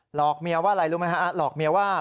เมียว่าอะไรรู้ไหมฮะหลอกเมียว่า